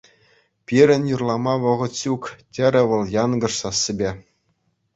Пирӗн юрлама вӑхӑт ҫук, — терӗ вӑл янкӑш сассипе.